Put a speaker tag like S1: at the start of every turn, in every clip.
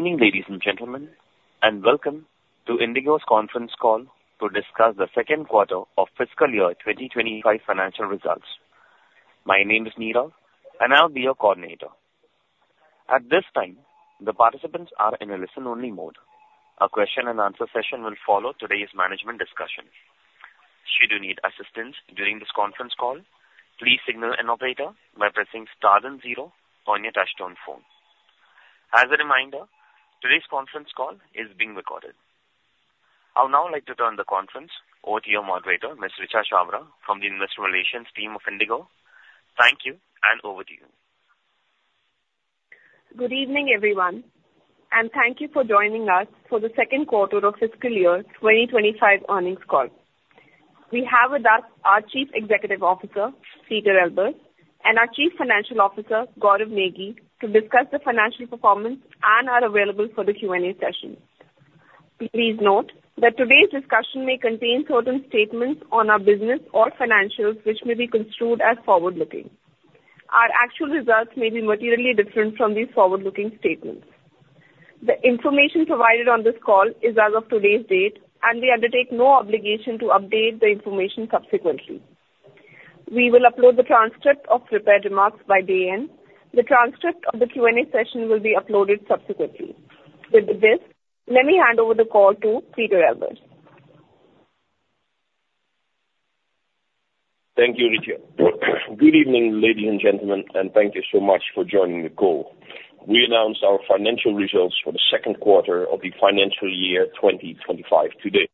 S1: Good evening, ladies and gentlemen, and welcome to IndiGo's conference call to discuss the second quarter of fiscal year 2025 financial results. My name is Neera, and I'll be your coordinator. At this time, the participants are in a listen-only mode. A question and answer session will follow today's management discussion. Should you need assistance during this conference call, please signal an operator by pressing star and zero on your touchtone phone. As a reminder, today's conference call is being recorded. I would now like to turn the conference over to your moderator, Ms. Richa Chhabra, from the Investor Relations team of IndiGo. Thank you, and over to you.
S2: Good evening, everyone, and thank you for joining us for the second quarter of fiscal year 2025 earnings call. We have with us our Chief Executive Officer, Pieter Elbers, and our Chief Financial Officer, Gaurav Negi, to discuss the financial performance and are available for the Q&A session. Please note that today's discussion may contain certain statements on our business or financials, which may be construed as forward-looking. Our actual results may be materially different from these forward-looking statements. The information provided on this call is as of today's date, and we undertake no obligation to update the information subsequently. We will upload the transcript of prepared remarks by day end. The transcript of the Q&A session will be uploaded subsequently. With this, let me hand over the call to Pieter Elbers.
S3: Thank you, Richa. Good evening, ladies and gentlemen, and thank you so much for joining the call. We announced our financial results for the second quarter of the financial year 2025 today.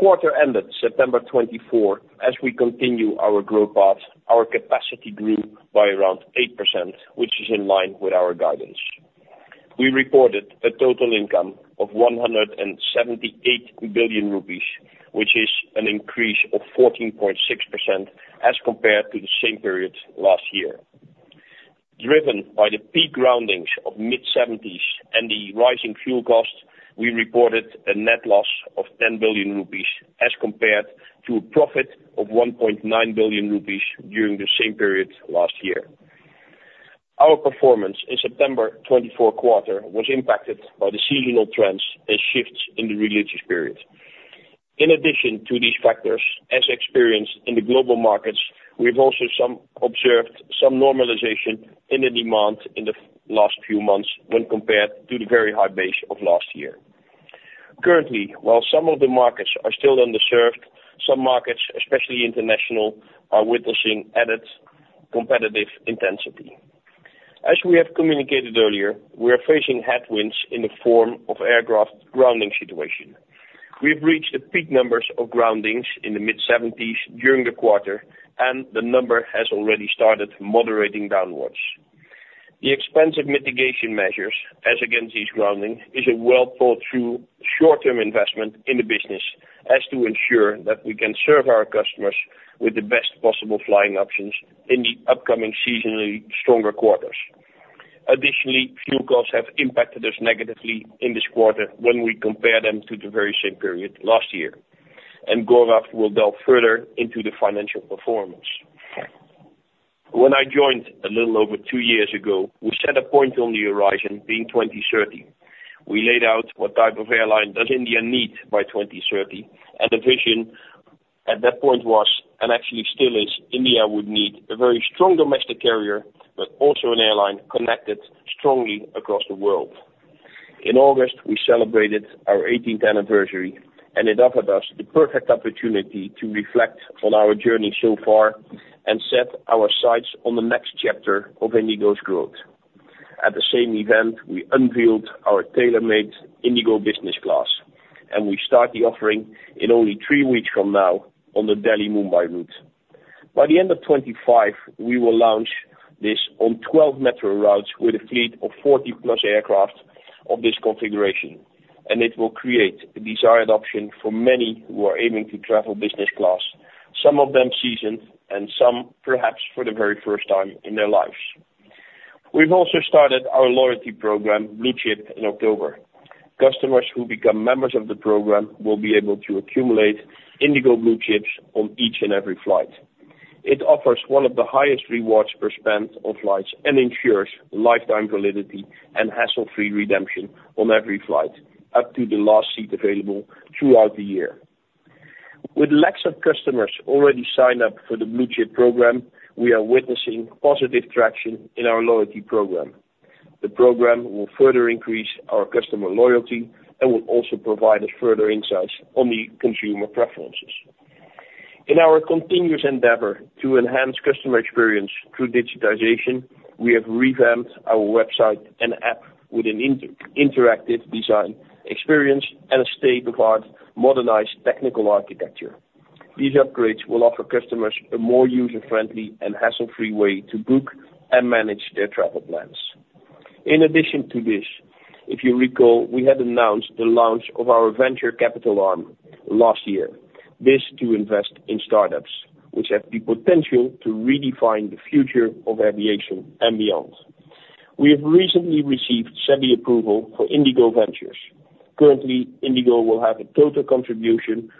S3: Quarter ended September 2024. As we continue our growth path, our capacity grew by around 8%, which is in line with our guidance. We reported a total income of 178 billion rupees, which is an increase of 14.6% as compared to the same period last year. Driven by the peak groundings of mid-seventies and the rising fuel costs, we reported a net loss of 10 billion rupees, as compared to a profit of 1.9 billion rupees during the same period last year. Our performance in September 2024 quarter was impacted by the seasonal trends and shifts in the religious period. In addition to these factors, as experienced in the global markets, we've also observed some normalization in the demand in the last few months when compared to the very high base of last year. Currently, while some of the markets are still underserved, some markets, especially international, are witnessing added competitive intensity. As we have communicated earlier, we are facing headwinds in the form of aircraft grounding situation. We've reached the peak numbers of groundings in the mid-seventies during the quarter, and the number has already started moderating downwards. The expensive mitigation measures, as against these grounding, is a well-thought-through short-term investment in the business as to ensure that we can serve our customers with the best possible flying options in the upcoming seasonally stronger quarters. Additionally, fuel costs have impacted us negatively in this quarter when we compare them to the very same period last year, and Gaurav will delve further into the financial performance. When I joined a little over two years ago, we set a point on the horizon, being 2030. We laid out what type of airline does India need by 2030, and the vision at that point was, and actually still is, India would need a very strong domestic carrier, but also an airline connected strongly across the world. In August, we celebrated our eighteenth anniversary, and it offered us the perfect opportunity to reflect on our journey so far and set our sights on the next chapter of IndiGo's growth. At the same event, we unveiled our tailor-made IndiGo Business Class, and we start the offering in only three weeks from now on the Delhi-Mumbai route. By the end of 2025, we will launch this on 12 metro routes with a fleet of 40+ aircraft of this configuration, and it will create a desired option for many who are aiming to travel business class, some of them seasoned and some perhaps for the very first time in their lives. We've also started our loyalty program, BluChip, in October. Customers who become members of the program will be able to accumulate IndiGo BluChips on each and every flight. It offers one of the highest rewards per spend on flights and ensures lifetime validity and hassle-free redemption on every flight, up to the last seat available throughout the year. With lakhs of customers already signed up for the BluChip program, we are witnessing positive traction in our loyalty program. The program will further increase our customer loyalty and will also provide us further insights on the consumer preferences. In our continuous endeavor to enhance customer experience through digitization, we have revamped our website and app with an interactive design experience and a state-of-the-art modernized technical architecture. These upgrades will offer customers a more user-friendly and hassle-free way to book and manage their travel plans. In addition to this, if you recall, we had announced the launch of our venture capital arm last year. This to invest in startups, which have the potential to redefine the future of aviation and beyond. We have recently received SEBI approval for IndiGo Ventures. Currently, IndiGo will have a total contribution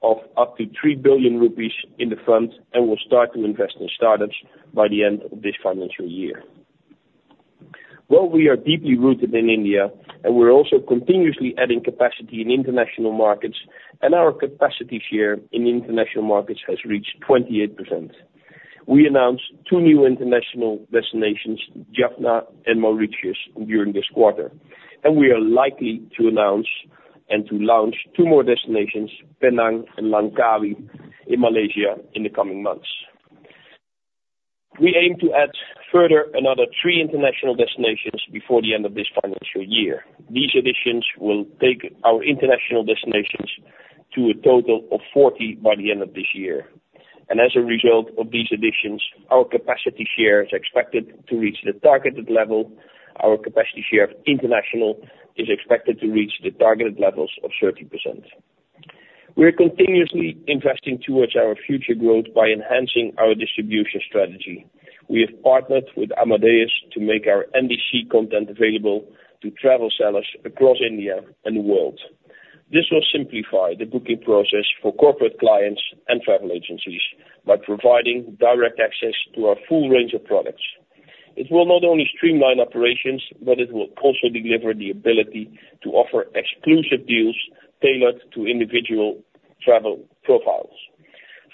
S3: of up to 3 billion rupees in the fund, and will start to invest in startups by the end of this financial year. We are deeply rooted in India, and we're also continuously adding capacity in international markets, and our capacity share in international markets has reached 28%. We announced two new international destinations, Jaffna and Mauritius, during this quarter, and we are likely to announce and to launch two more destinations, Penang and Langkawi in Malaysia, in the coming months. We aim to add further another three international destinations before the end of this financial year. These additions will take our international destinations to a total of 40 by the end of this year. And as a result of these additions, our capacity share is expected to reach the targeted level. Our capacity share of international is expected to reach the targeted levels of 30%. We are continuously investing towards our future growth by enhancing our distribution strategy. We have partnered with Amadeus to make our NDC content available to travel sellers across India and the world. This will simplify the booking process for corporate clients and travel agencies by providing direct access to our full range of products. It will not only streamline operations, but it will also deliver the ability to offer exclusive deals tailored to individual travel profiles.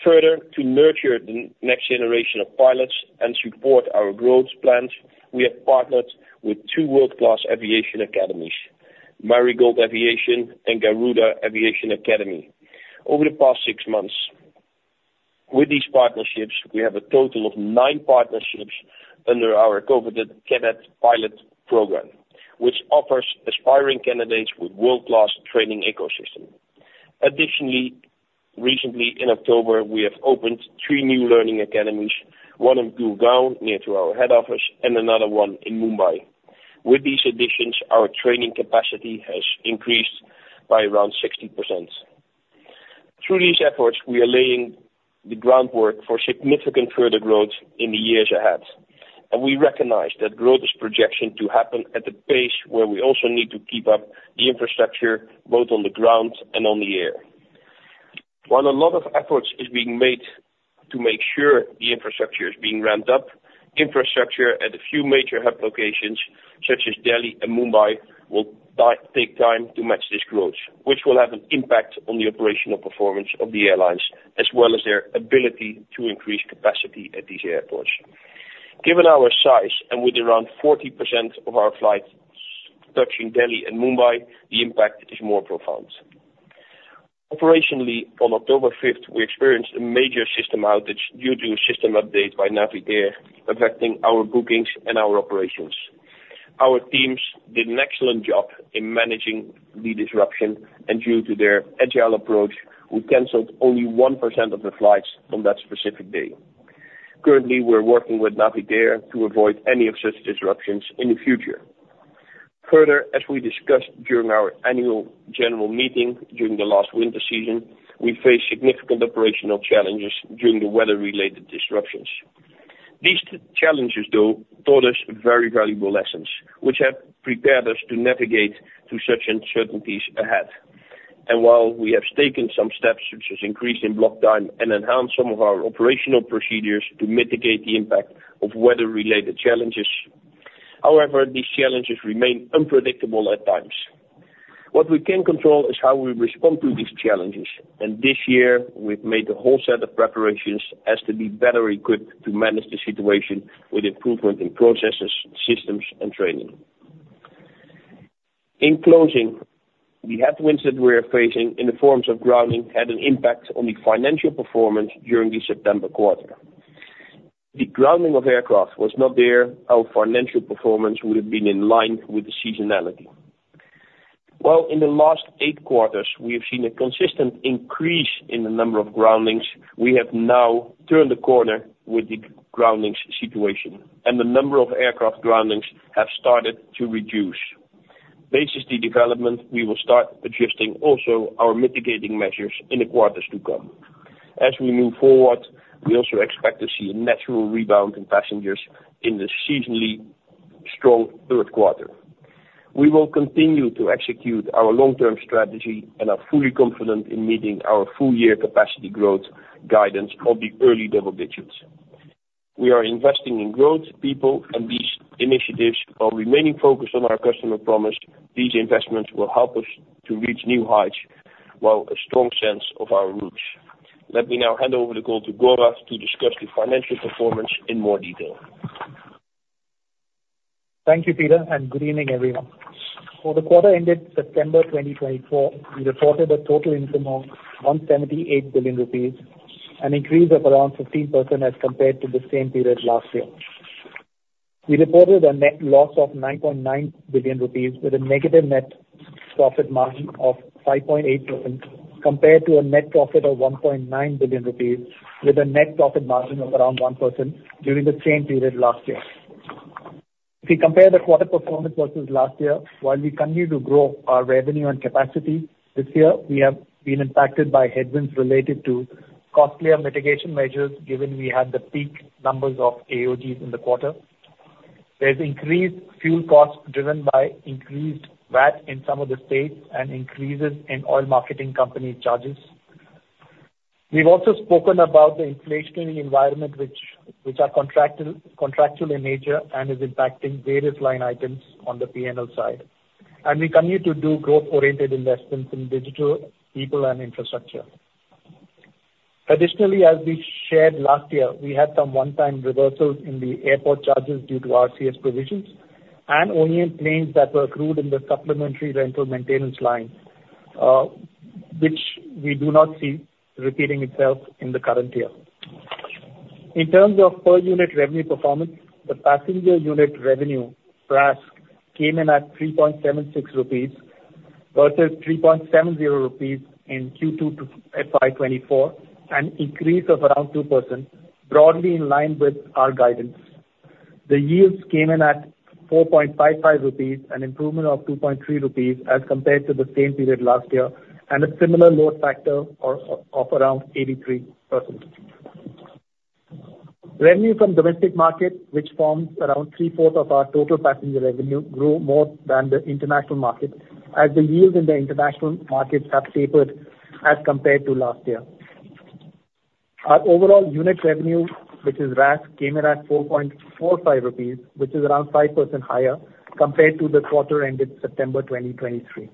S3: Further, to nurture the next generation of pilots and support our growth plans, we have partnered with two world-class aviation academies, Marigold Aviation and Garuda Aviation Academy. Over the past six months, with these partnerships, we have a total of nine partnerships under our coveted Cadet Pilot Program, which offers aspiring candidates with world-class training ecosystem. Additionally, recently, in October, we have opened three new learning academies, one in Gurgaon, near to our head office, and another one in Mumbai. With these additions, our training capacity has increased by around 60%. Through these efforts, we are laying the groundwork for significant further growth in the years ahead, and we recognize that growth is projected to happen at a pace where we also need to keep up the infrastructure, both on the ground and on the air. While a lot of efforts is being made to make sure the infrastructure is being ramped up, infrastructure at a few major hub locations, such as Delhi and Mumbai, will take time to match this growth, which will have an impact on the operational performance of the airlines, as well as their ability to increase capacity at these airports. Given our size, and with around 40% of our flights touching Delhi and Mumbai, the impact is more profound. Operationally, on October 5th, we experienced a major system outage due to a system update by Navitaire, affecting our bookings and our operations. Our teams did an excellent job in managing the disruption, and due to their agile approach, we canceled only 1% of the flights on that specific day. Currently, we're working with Navitaire to avoid any of such disruptions in the future. Further, as we discussed during our annual general meeting during the last winter season, we faced significant operational challenges during the weather-related disruptions. These two challenges, though, taught us very valuable lessons, which have prepared us to navigate through such uncertainties ahead, and while we have taken some steps, such as increasing block time and enhance some of our operational procedures, to mitigate the impact of weather-related challenges, however, these challenges remain unpredictable at times. What we can control is how we respond to these challenges, and this year, we've made a whole set of preparations as to be better equipped to manage the situation with improvement in processes, systems, and training. In closing, the headwinds that we are facing in the forms of grounding had an impact on the financial performance during the September quarter. If the grounding of aircraft was not there, our financial performance would have been in line with the seasonality. While in the last eight quarters we have seen a consistent increase in the number of groundings, we have now turned the corner with the groundings situation, and the number of aircraft groundings have started to reduce. Based on the development, we will start adjusting also our mitigating measures in the quarters to come. As we move forward, we also expect to see a natural rebound in passengers in the seasonally strong third quarter. We will continue to execute our long-term strategy and are fully confident in meeting our full-year capacity growth guidance of the early double digits. We are investing in growth, people, and these initiatives are remaining focused on our customer promise. These investments will help us to reach new heights, while a strong sense of our roots. Let me now hand over the call to Gaurav to discuss the financial performance in more detail.
S4: Thank you, Pieter, and good evening, everyone. For the quarter ended September 2024, we reported a total income of 178 billion rupees, an increase of around 15% as compared to the same period last year. We reported a net loss of 9.9 billion rupees with a negative net profit margin of 5.8%, compared to a net profit of 1.9 billion rupees with a net profit margin of around 1% during the same period last year. If we compare the quarter performance versus last year, while we continue to grow our revenue and capacity, this year, we have been impacted by headwinds related to costlier mitigation measures, given we had the peak numbers of AOGs in the quarter. There’s increased fuel costs driven by increased VAT in some of the states and increases in oil marketing company charges. We've also spoken about the inflationary environment, which are contractual in nature and is impacting various line items on the P&L side, and we continue to do growth-oriented investments in digital, people, and infrastructure. Additionally, as we shared last year, we had some one-time reversals in the airport charges due to RCS provisions and OEM claims that were accrued in the supplementary rental maintenance line, which we do not see repeating itself in the current year. In terms of per-unit revenue performance, the passenger unit revenue, PRASK, came in at 3.76 rupees versus 3.70 rupees in Q2 FY 2024, an increase of around 2%, broadly in line with our guidance. The yields came in at 4.55 rupees, an improvement of 2.3 rupees as compared to the same period last year, and a similar load factor of around 83%. Revenue from domestic market, which forms around 3/4 of our total passenger revenue, grew more than the international market, as the yields in the international markets have tapered as compared to last year. Our overall unit revenue, which is RASK, came in at 4.45 rupees, which is around 5% higher compared to the quarter ended September 2023.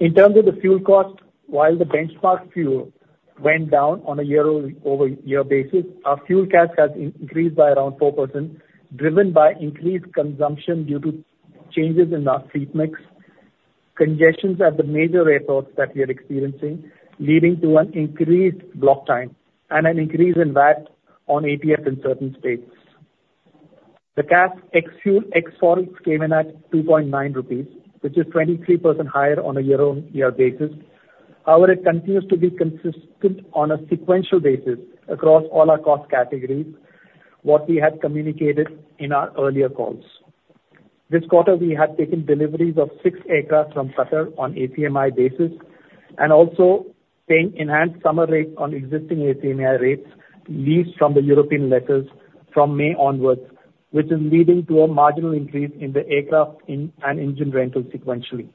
S4: In terms of the fuel cost, while the benchmark fuel went down on a year-over-year basis, our fuel CASK has increased by around 4%, driven by increased consumption due to changes in our fleet mix, congestions at the major airports that we are experiencing, leading to an increased block time and an increase in VAT on ATF in certain states. The CASK ex-fuel, ex-forex came in at 2.9 rupees, which is 23% higher on a year-over-year basis. However, it continues to be consistent on a sequential basis across all our cost categories, what we had communicated in our earlier calls. This quarter, we have taken deliveries of six aircraft from Qatar on ACMI basis, and also paying enhanced summer rates on existing ACMI rates, leased from the European lessors from May onwards, which is leading to a marginal increase in the aircraft and engine rental sequentially.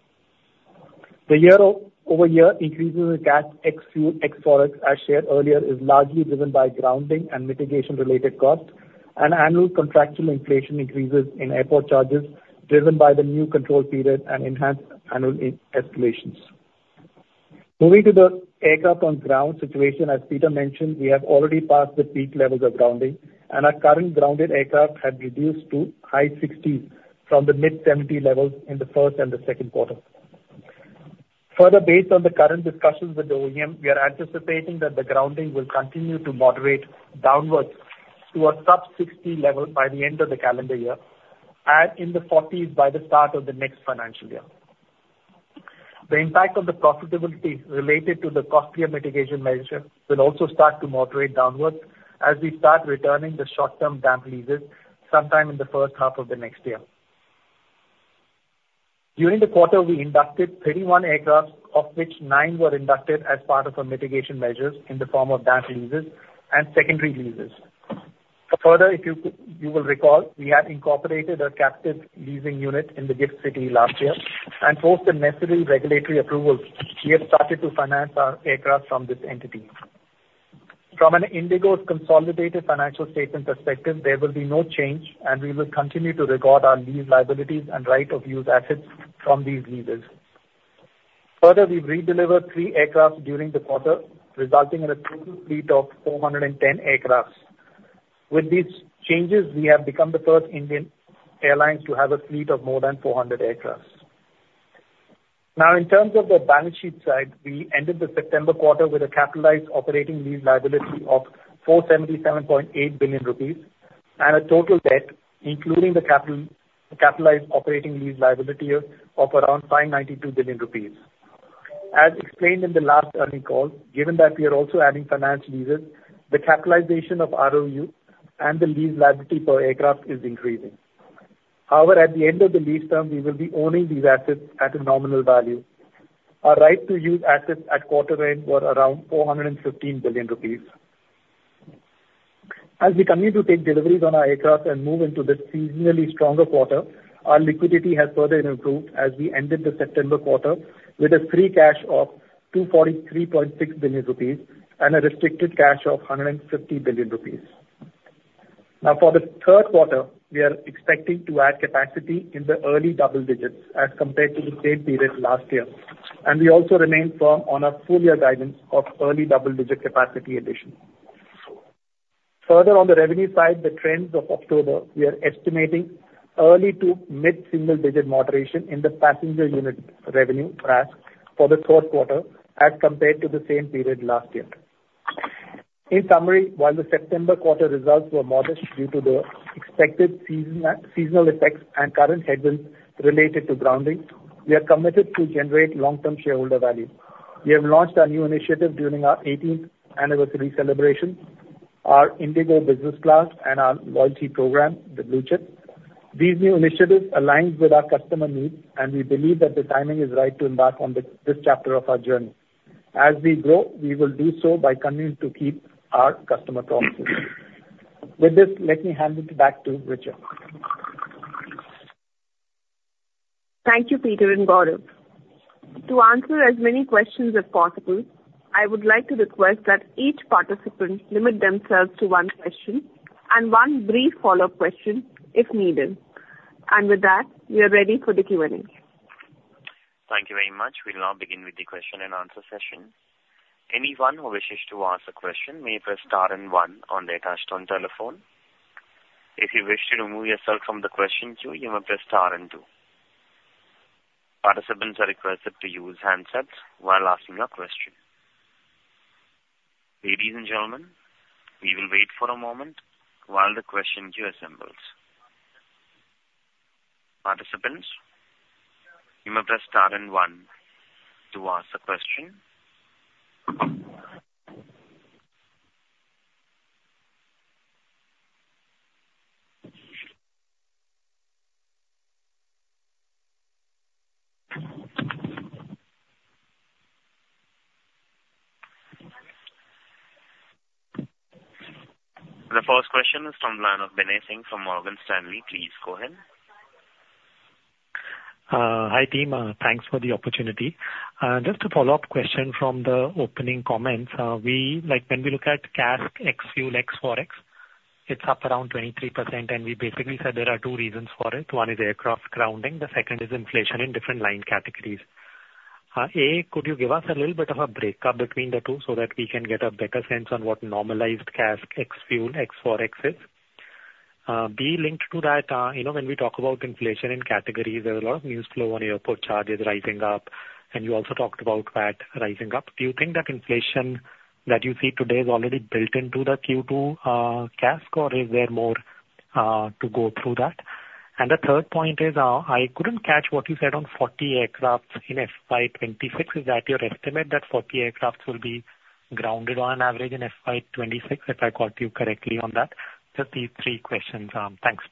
S4: The year over year increases in CASK ex-fuel, ex-forex, as shared earlier, is largely driven by grounding and mitigation-related costs and annual contractual inflation increases in airport charges, driven by the new control period and enhanced annual escalations. Moving to the aircraft on ground situation, as Pieter mentioned, we have already passed the peak levels of grounding, and our current grounded aircraft have reduced to high sixties from the mid-seventy levels in the first and the second quarter. Further, based on the current discussions with the OEM, we are anticipating that the grounding will continue to moderate downwards to a sub-60 level by the end of the calendar year and in the 40s by the start of the next financial year. The impact on the profitability related to the costlier mitigation measures will also start to moderate downwards as we start returning the short-term damp leases sometime in the first half of the next year. During the quarter, we inducted 31 aircraft, of which nine were inducted as part of our mitigation measures in the form of damp leases and secondary leases. But further, if you will recall, we have incorporated a captive leasing unit in the GIFT City last year, and post the necessary regulatory approvals, we have started to finance our aircraft from this entity. From an IndiGo's consolidated financial statement perspective, there will be no change, and we will continue to record our lease liabilities and right of use assets from these leases. Further, we've redelivered three aircraft during the quarter, resulting in a total fleet of 410 aircraft. With these changes, we have become the first Indian airline to have a fleet of more than 400 aircraft. Now, in terms of the balance sheet side, we ended the September quarter with a capitalized operating lease liability of 477.8 billion rupees and a total debt, including the capitalized operating lease liability of around 592 billion rupees. As explained in the last earnings call, given that we are also adding finance leases, the capitalization of ROU and the lease liability per aircraft is increasing. However, at the end of the lease term, we will be owning these assets at a nominal value. Our Right of Use assets at quarter end were around 415 billion rupees. As we continue to take deliveries on our aircraft and move into this seasonally stronger quarter, our liquidity has further improved as we ended the September quarter with free cash of 243.6 billion rupees and restricted cash of 150 billion rupees. Now, for the third quarter, we are expecting to add capacity in the early double digits as compared to the same period last year, and we also remain firm on our full year guidance of early double-digit capacity addition. Further, on the revenue side, the trends of October, we are estimating early to mid-single digit moderation in the passenger unit revenue, PRASK, for the fourth quarter as compared to the same period last year. In summary, while the September quarter results were modest due to the expected season, seasonal effects and current headwinds related to grounding, we are committed to generate long-term shareholder value. We have launched our new initiative during our eighteenth anniversary celebration, our IndiGo Business Class and our loyalty program, the BluChip. These new initiatives aligns with our customer needs, and we believe that the timing is right to embark on this chapter of our journey. As we grow, we will do so by continuing to keep our customer promises. With this, let me hand it back to Richa.
S2: Thank you, Pieter and Gaurav. To answer as many questions as possible, I would like to request that each participant limit themselves to one question and one brief follow-up question, if needed. And with that, we are ready for the Q&A.
S1: Thank you very much. We'll now begin with the question and answer session. Anyone who wishes to ask a question may press star and one on their touch-tone telephone. If you wish to remove yourself from the question queue, you may press star and two. Participants are requested to use handsets while asking a question. Ladies and gentlemen, we will wait for a moment while the question queue assembles. Participants, you may press star and one to ask a question. The first question is from the line of Binay Singh from Morgan Stanley. Please go ahead.
S5: Hi, team. Thanks for the opportunity. Just a follow-up question from the opening comments. We, like, when we look at CASK ex-fuel ex-forex, it's up around 23%, and we basically said there are two reasons for it. One is aircraft grounding, the second is inflation in different line categories. A, could you give us a little bit of a breakdown between the two so that we can get a better sense on what normalized CASK ex-fuel ex-forex is? B, linked to that, you know, when we talk about inflation in categories, there's a lot of news flow on airport charges rising up, and you also talked about VAT rising up. Do you think that inflation that you see today is already built into the Q2 CASK, or is there more to go through that? The third point is, I couldn't catch what you said on 40 aircraft in FY 2026. Is that your estimate, that 40 aircraft will be grounded on average in FY 2026, if I caught you correctly on that? Just these three questions. Thanks.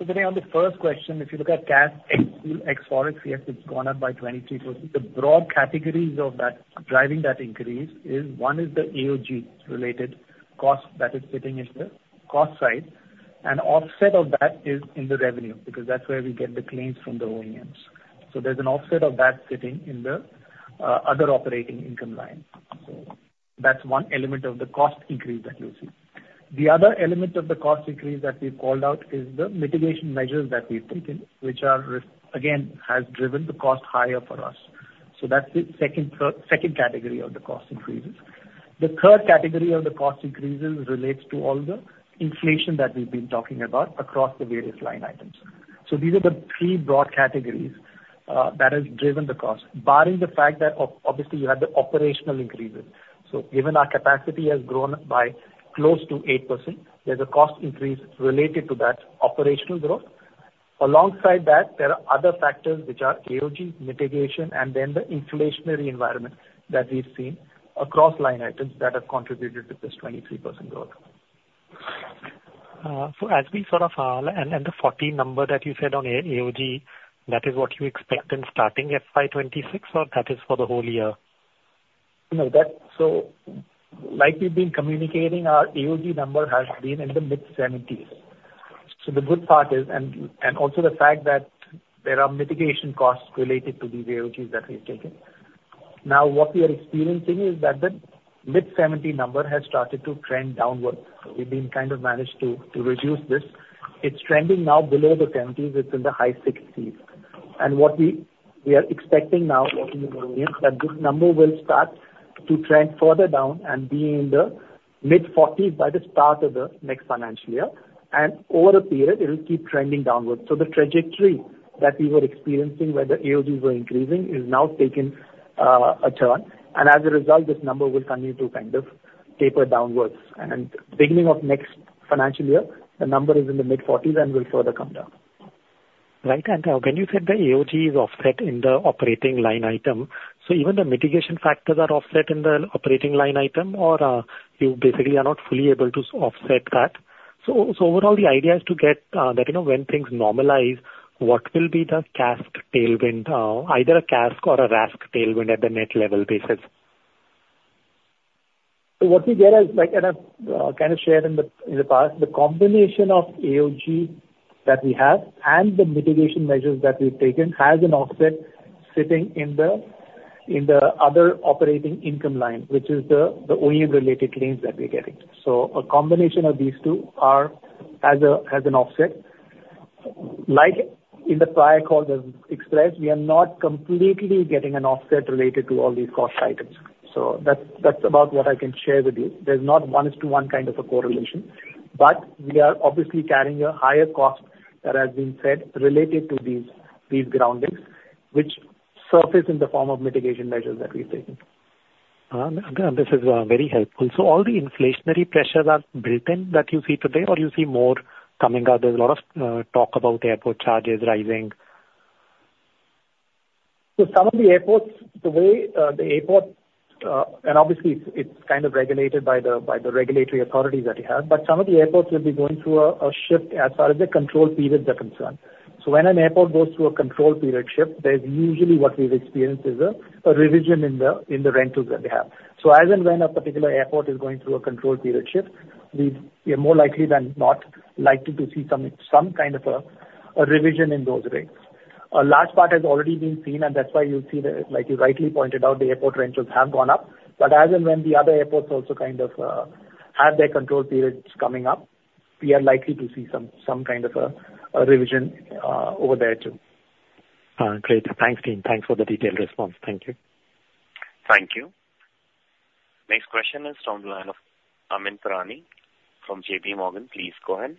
S4: Binay, on the first question, if you look at CASK ex-fuel, ex-Forex, yes, it's gone up by 23%. The broad categories of that, driving that increase is, one is the AOG-related cost that is sitting in the cost side, and offset of that is in the revenue, because that's where we get the claims from the OEMs. So there's an offset of that sitting in the other operating income line. So that's one element of the cost increase that you'll see. The other element of the cost increase that we've called out is the mitigation measures that we've taken, which are again, has driven the cost higher for us. So that's the second category of the cost increases. The third category of the cost increases relates to all the inflation that we've been talking about across the various line items. So these are the three broad categories that has driven the cost, barring the fact that obviously, you have the operational increases. So given our capacity has grown by close to 8%, there's a cost increase related to that operational growth. Alongside that, there are other factors which are AOG, mitigation, and then the inflationary environment that we've seen across line items that have contributed to this 23% growth.
S5: So as we sort of, and the forty number that you said on AOG, that is what you expect in starting FY 2026, or that is for the whole year?
S4: No, that's. So like we've been communicating, our AOG number has been in the mid-70s. So the good part is, and also the fact that there are mitigation costs related to these AOGs that we've taken. Now, what we are experiencing is that the mid-seventy number has started to trend downwards. We've been kind of managed to reduce this. It's trending now below the seventies, it's in the high 60s. And what we are expecting now, working with OEM, that this number will start to trend further down and be in the mid-forties by the start of the next financial year, and over the period, it will keep trending downwards. So the trajectory that we were experiencing, where the AOGs were increasing, has now taken a turn, and as a result, this number will continue to kind of taper downwards. Beginning of next financial year, the number is in the mid-forties and will further come down.
S5: Right. And when you said the AOG is offset in the operating line item, so even the mitigation factors are offset in the operating line item, or you basically are not fully able to offset that? So overall, the idea is to get that, you know, when things normalize, what will be the CASK tailwind, either a CASK or a RASK tailwind at the net level basis?
S4: So what we get, like, and I've kind of shared in the past, the combination of AOG that we have and the mitigation measures that we've taken has an offset sitting in the other operating income line, which is the OEM-related claims that we're getting. So a combination of these two are as an offset. Like in the prior call was expressed, we are not completely getting an offset related to all these cost items. So that's about what I can share with you. There's not one-to-one kind of a correlation, but we are obviously carrying a higher cost, that has been said, related to these groundings, which surface in the form of mitigation measures that we're taking.
S5: This is very helpful. So all the inflationary pressures are built in, that you see today, or you see more coming up? There's a lot of talk about airport charges rising.
S4: Some of the airports, the way, and obviously, it's kind of regulated by the regulatory authorities that we have, but some of the airports will be going through a shift as far as the control periods are concerned. When an airport goes through a control period shift, there's usually what we've experienced, is a revision in the rentals that we have. As and when a particular airport is going through a control period shift, we are more likely than not likely to see some kind of a revision in those rates. A large part has already been seen, and that's why you'll see, like you rightly pointed out, the airport rentals have gone up. But as and when the other airports also kind of have their control periods coming up, we are likely to see some kind of a revision over there, too.
S5: Great. Thanks, team. Thanks for the detailed response. Thank you.
S1: Thank you. Next question is from the line of Amyn Pirani from JPMorgan. Please go ahead.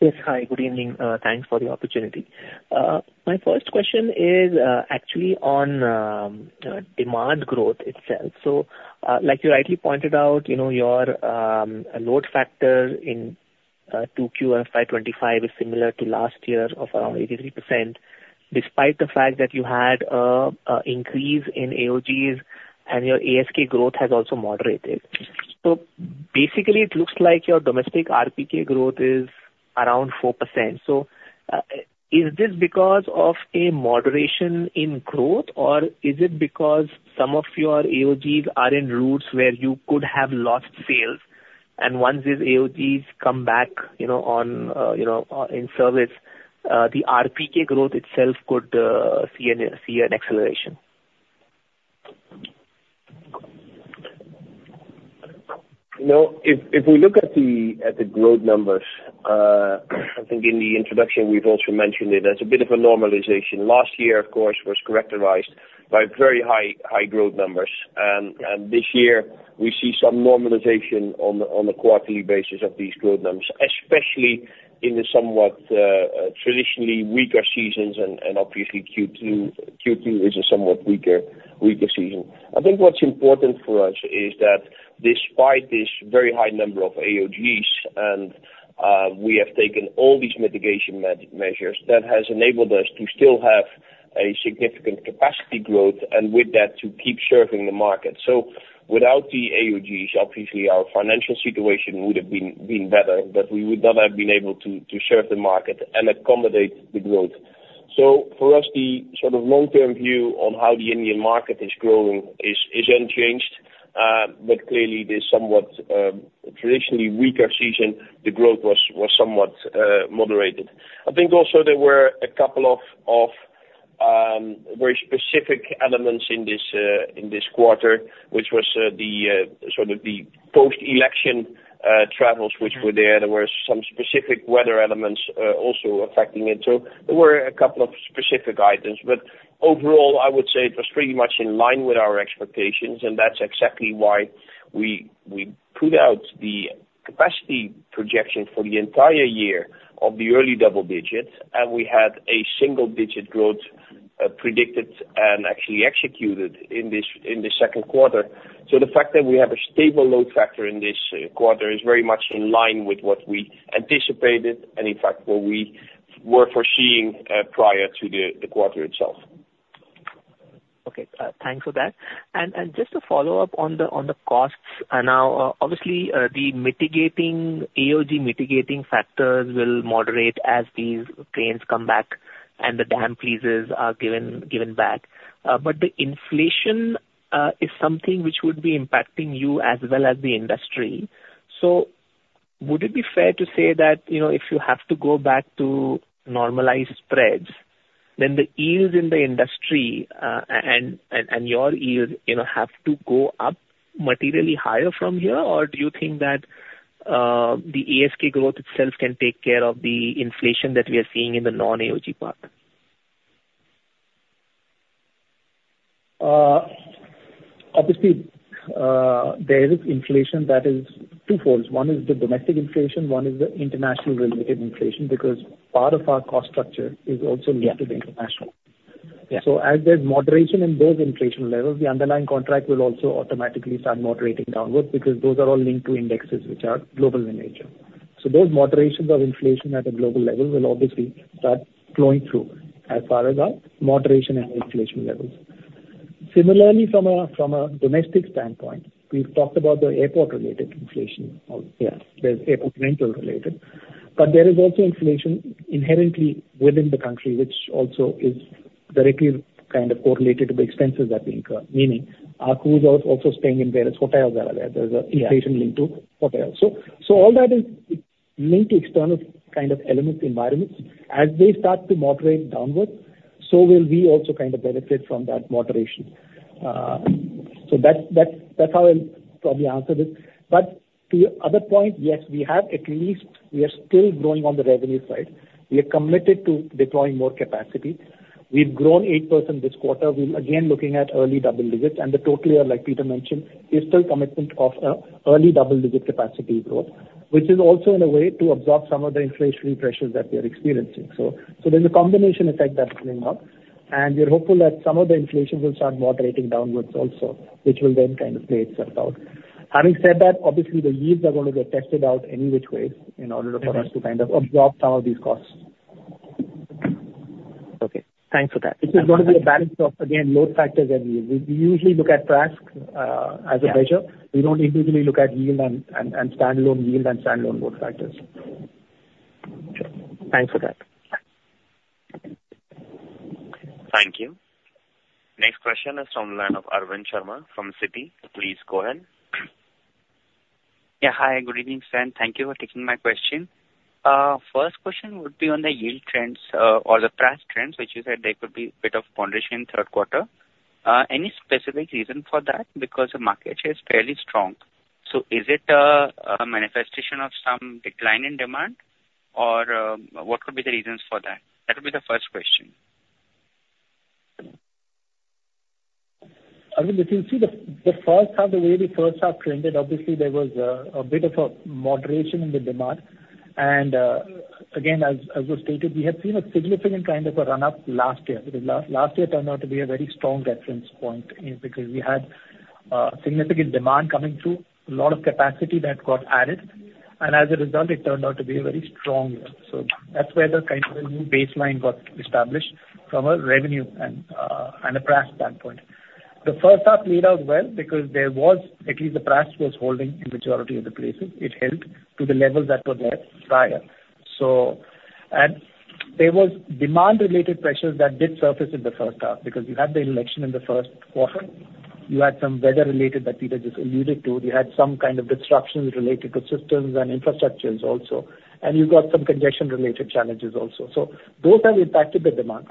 S6: Yes. Hi, good evening. Thanks for the opportunity. My first question is, actually on, demand growth itself. So, like you rightly pointed out, you know, your, load factor in, @Q FY 2025 is similar to last year of around 83%, despite the fact that you had a increase in AOGs, and your ASK growth has also moderated. So basically, it looks like your domestic RPK growth is around 4%. So, is this because of a moderation in growth, or is it because some of your AOGs are in routes where you could have lost sales, and once these AOGs come back, you know, on, you know, in service, the RPK growth itself could, see an acceleration?
S3: You know, if we look at the growth numbers, I think in the introduction, we've also mentioned it, there's a bit of a normalization. Last year, of course, was characterized by very high growth numbers. And this year, we see some normalization on a quarterly basis of these growth numbers, especially in the somewhat traditionally weaker seasons, and obviously, Q2 is a somewhat weaker season. I think what's important for us is that despite this very high number of AOGs, we have taken all these mitigation measures, that has enabled us to still have a significant capacity growth, and with that, to keep serving the market. So without the AOGs, obviously, our financial situation would have been better, but we would not have been able to serve the market and accommodate the growth. So for us, the sort of long-term view on how the Indian market is growing is unchanged, but clearly, there's somewhat traditionally weaker season, the growth was somewhat moderated. I think also there were a couple of very specific elements in this quarter, which was the sort of the post-election travels which were there. There were some specific weather elements also affecting it. So there were a couple of specific items, but overall, I would say it was pretty much in line with our expectations, and that's exactly why we put out the capacity projection for the entire year of the early double digits, and we had a single digit growth predicted and actually executed in this second quarter. So the fact that we have a stable load factor in this quarter is very much in line with what we anticipated, and in fact, what we were foreseeing prior to the quarter itself.
S6: Okay. Thanks for that. And just to follow up on the costs, and now, obviously, the mitigating AOG mitigating factors will moderate as these planes come back and the damp leases are given back. But the inflation is something which would be impacting you as well as the industry. So would it be fair to say that, you know, if you have to go back to normalized spreads, then the yields in the industry and your yields, you know, have to go up materially higher from here, or do you think that the ASK growth itself can take care of the inflation that we are seeing in the non-AOG part?
S4: Obviously, there is inflation that is twofold. One is the domestic inflation, one is the international related inflation, because part of our cost structure is also-
S6: Yeah.
S4: -linked to the international.
S6: Yeah.
S4: So as there's moderation in those inflation levels, the underlying contract will also automatically start moderating downwards, because those are all linked to indexes which are global in nature. So those moderations of inflation at a global level will obviously start flowing through as far as our moderation and inflation levels. Similarly, from a, from a domestic standpoint, we've talked about the airport-related inflation on.
S6: Yeah.
S4: There's airport rental related, but there is also inflation inherently within the country, which also is directly kind of correlated to the expenses that we incur, meaning our crews are also staying in various hotels that are there.
S6: Yeah.
S4: There's an inflation linked to hotels. So all that is linked to external kind of elements, environments. As they start to moderate downwards, so will we also kind of benefit from that moderation. So that, that's how I'll probably answer this. But to your other point, yes, we have at least. We are still growing on the revenue side. We are committed to deploying more capacity. We've grown 8% this quarter. We're again looking at early double digits, and the total, like Peter mentioned, is still commitment of an early double digit capacity growth, which is also in a way to absorb some of the inflationary pressures that we are experiencing. So there's a combination effect that's coming up, and we're hopeful that some of the inflation will start moderating downwards also, which will then kind of play itself out. Having said that, obviously, the yields are going to get tested out any which way in order for us-
S6: Okay.
S4: to kind of absorb some of these costs.
S6: Okay, thanks for that.
S4: It's going to be a balance of, again, load factors that we use. We usually look at PRASK as a measure.
S6: Yeah.
S4: We don't individually look at yield and standalone yield and standalone load factors.
S6: Thanks for that.
S1: Thank you. Next question is from the line of Arvind Sharma from Citi. Please go ahead.
S7: Yeah, hi, good evening, sir, and thank you for taking my question. First question would be on the yield trends, or the PRASK trends, which you said there could be a bit of moderation in third quarter. Any specific reason for that? Because the market share is fairly strong. So is it a manifestation of some decline in demand, or what could be the reasons for that? That would be the first question.
S4: I mean, if you see the first half, the way the first half trended, obviously there was a bit of a moderation in the demand. And again, as was stated, we had seen a significant kind of a run-up last year, because last year turned out to be a very strong reference point, because we had significant demand coming through, a lot of capacity that got added, and as a result, it turned out to be a very strong year. So that's where the kind of new baseline got established from a revenue and a PRASK standpoint. The first half made out well because there was, at least the PRASK was holding in majority of the places. It held to the levels that were there prior. So... And there was demand-related pressures that did surface in the first half, because you had the election in the first quarter, you had some weather-related that Peter just alluded to, you had some kind of disruptions related to systems and infrastructures also, and you got some congestion-related challenges also. So those have impacted the demand.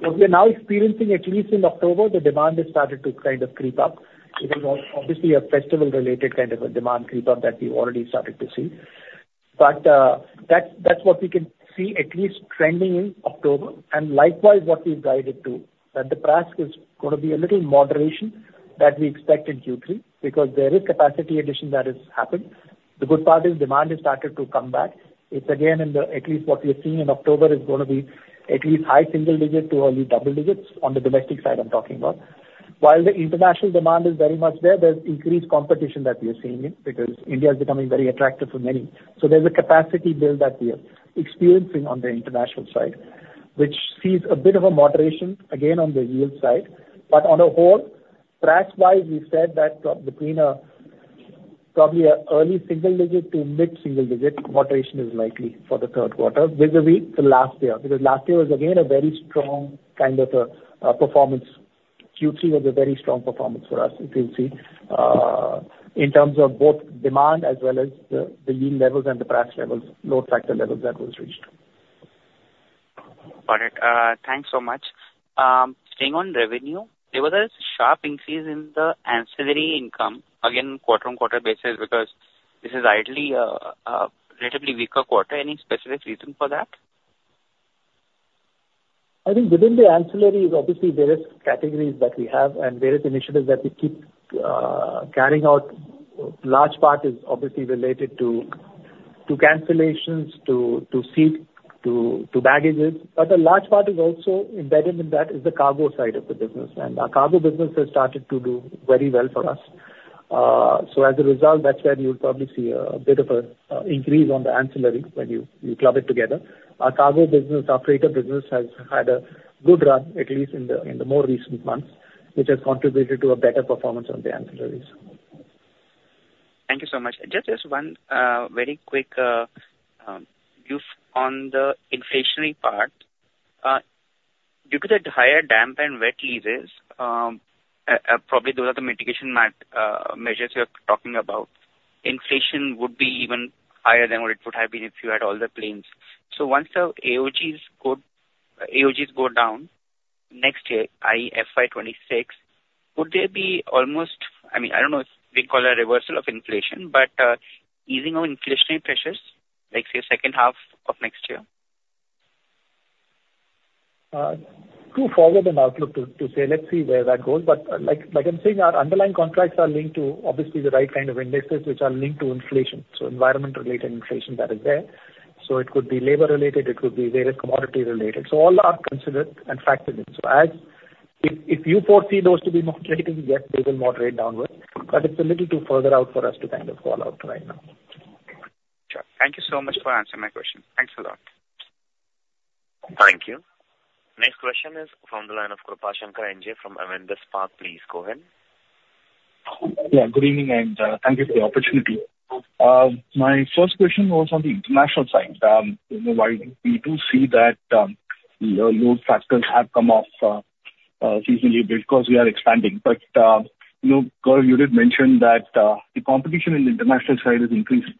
S4: What we are now experiencing, at least in October, the demand has started to kind of creep up. There was obviously a festival-related kind of a demand creep up that we already started to see. But, that, that's what we can see at least trending in October. And likewise, what we've guided to, that the PRASK is gonna be a little moderation that we expect in Q3, because there is capacity addition that has happened. The good part is demand has started to come back. It's again in the, at least what we're seeing in October, is gonna be at least high single digit to early double digits, on the domestic side I'm talking about. While the international demand is very much there, there's increased competition that we are seeing it, because India is becoming very attractive for many. So there's a capacity build that we are experiencing on the international side, which sees a bit of a moderation again on the yield side. But on the whole, PRASK-wise, we said that between, probably an early single digit to mid single digit moderation is likely for the third quarter, vis-a-vis the last year. Because last year was again a very strong kind of, a performance. Q3 was a very strong performance for us, if you'll see, in terms of both demand as well as the yield levels and the PRASK levels, load factor levels that was reached.
S7: Got it. Thanks so much. Staying on revenue, there was a sharp increase in the ancillary income, again, quarter on quarter basis, because this is ideally a relatively weaker quarter. Any specific reason for that?
S4: I think within the ancillary, obviously, there is categories that we have and various initiatives that we keep carrying out. Large part is obviously related to seat, to baggages. But a large part is also embedded in that, is the cargo side of the business. And our cargo business has started to do very well for us. So as a result, that's where you'll probably see a bit of a increase on the ancillary when you club it together. Our cargo business, our freighter business, has had a good run, at least in the more recent months, which has contributed to a better performance on the ancillaries.
S7: Thank you so much. Just one very quick question on the inflationary part. Due to the higher damp and wet leases, probably those are the mitigation measures you're talking about, inflation would be even higher than what it would have been if you had all the planes. So once the AOGs go down next year, i.e., FY 2026, would there be almost a reversal of inflation? I mean, I don't know if we call a reversal of inflation, but easing of inflationary pressures, like, say, second half of next year?
S4: Too forward an outlook to say. Let's see where that goes. But like I'm saying, our underlying contracts are linked to obviously the right kind of indexes, which are linked to inflation, so environment-related inflation that is there. So it could be labor-related, it could be various commodity-related. So all are considered and factored in. So if you foresee those to be moderating, yes, they will moderate downward, but it's a little too further out for us to kind of call out right now.
S7: Sure. Thank you so much for answering my question. Thanks a lot.
S1: Thank you. Next question is from the line of Krupashankar NJ from Avendus Spark. Please go ahead.
S8: Yeah, good evening, and thank you for the opportunity. My first question was on the international side. You know, Gaurav, you did mention that the competition in the international side is increasing.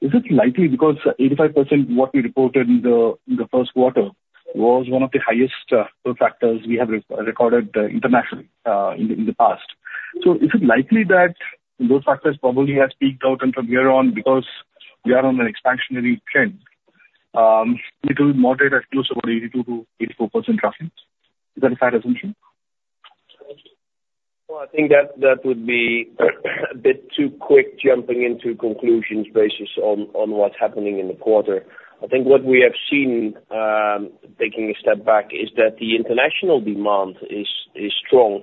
S8: Is it likely because 85% what we reported in the first quarter was one of the highest load factors we have recorded internationally in the past? So is it likely that load factors probably have peaked out, and from here on, because we are on an expansionary trend, it will moderate at close to about 82%-84% traffic? Is that a fair assumption?
S3: Well, I think that would be a bit too quick jumping into conclusions basis on what's happening in the quarter. I think what we have seen, taking a step back, is that the international demand is strong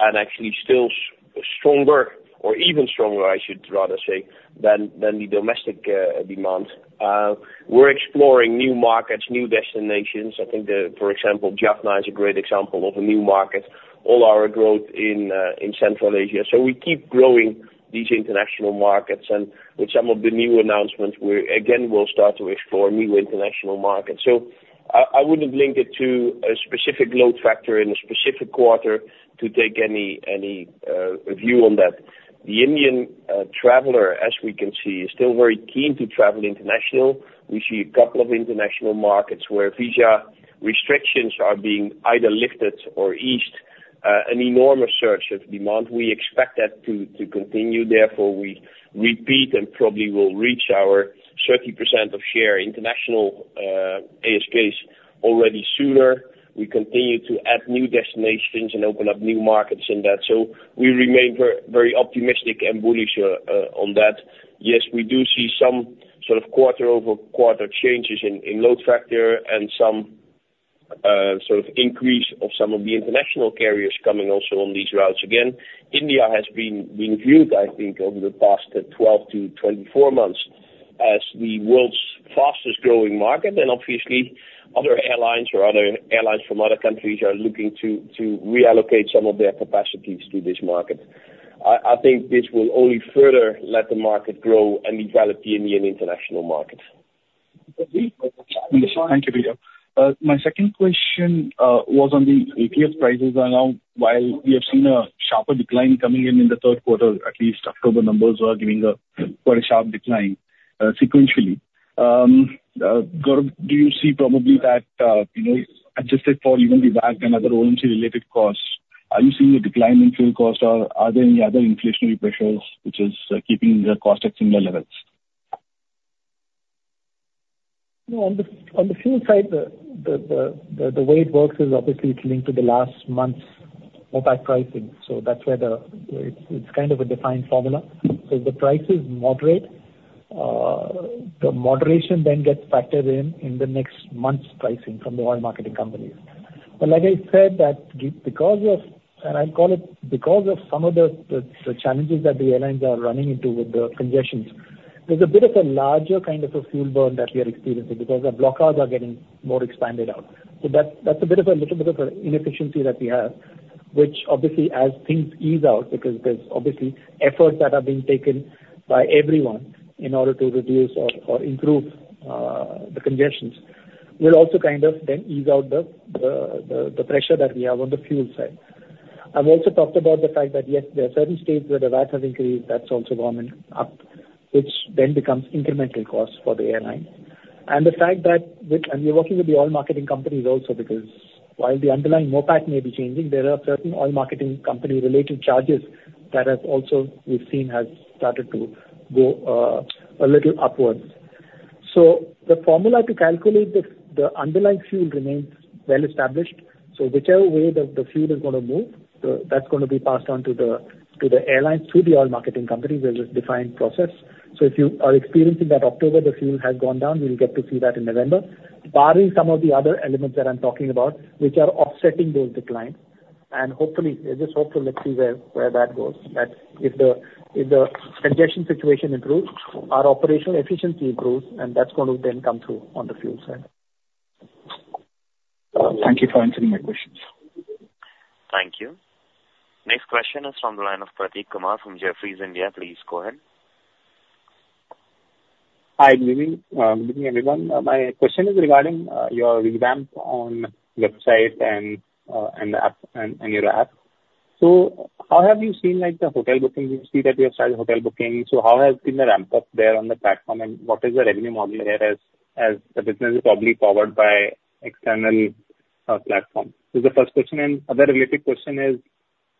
S3: and actually still stronger, or even stronger, I should rather say, than the domestic demand. We're exploring new markets, new destinations. I think the, for example, Jaffna is a great example of a new market. All our growth in Central Asia. So we keep growing these international markets, and with some of the new announcements, we again will start to explore new international markets. So I wouldn't link it to a specific load factor in a specific quarter to take any view on that. The Indian traveler, as we can see, is still very keen to travel international. We see a couple of international markets where visa restrictions are being either lifted or eased, an enormous surge of demand. We expect that to continue, therefore, we repeat and probably will reach our 30% share international ASPs already sooner. We continue to add new destinations and open up new markets in that. So we remain very optimistic and bullish on that. Yes, we do see some sort of quarter-over-quarter changes in load factor and some sort of increase of some of the international carriers coming also on these routes. Again, India has been viewed, I think, over the past 12 to 24 months as the world's fastest growing market, and obviously other airlines from other countries are looking to reallocate some of their capacities to this market. I think this will only further let the market grow and develop the Indian international market.
S8: Thank you, Pieter. My second question was on the ATF prices are now, while we have seen a sharper decline coming in in the third quarter, at least October numbers are giving a quite a sharp decline sequentially. Gaurav, do you see probably that you know, adjusted for even the VAT and other OMC related costs, are you seeing a decline in fuel costs, or are there any other inflationary pressures which is keeping the cost at similar levels?
S4: No, on the fuel side, the way it works is obviously it's linked to the last month's OPEC pricing, so that's where the... It's kind of a defined formula. So if the price is moderate, the moderation then gets factored in in the next month's pricing from the oil marketing companies. But like I said that because of, and I call it because of some of the challenges that the airlines are running into with the congestion, there's a bit of a larger kind of a fuel burn that we are experiencing, because the block times are getting more expanded out. So that's a bit of a little bit of an inefficiency that we have, which obviously as things ease out, because there's obviously efforts that are being taken by everyone in order to reduce or improve the congestions. We'll also kind of then ease out the pressure that we have on the fuel side. I've also talked about the fact that, yes, there are certain states where the VAT has increased, that's also gone up, which then becomes incremental costs for the airline. And the fact that we, and we're working with the oil marketing companies also, because while the underlying OPEC may be changing, there are certain oil marketing company-related charges that have also we've seen have started to go a little upwards. The formula to calculate the underlying fuel remains well established, so whichever way the fuel is gonna move, that's gonna be passed on to the airlines, through the oil marketing company, where there's defined process. So if you are experiencing that October, the fuel has gone down, you'll get to see that in November, barring some of the other elements that I'm talking about, which are offsetting those declines. And hopefully, let's just see where that goes, that if the congestion situation improves, our operational efficiency improves, and that's going to then come through on the fuel side.
S8: Thank you for answering my questions.
S1: Thank you. Next question is from the line of Prateek Kumar from Jefferies India. Please go ahead.
S9: Hi, good evening, everyone. My question is regarding your revamp on website and app, so how have you seen, like, the hotel bookings? We see that you have started hotel booking, so how has been the ramp-up there on the platform, and what is the revenue model there as the business is probably powered by external platform? This is the first question, and other related question is,